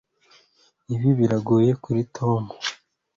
Ibi biragoye kuri Tom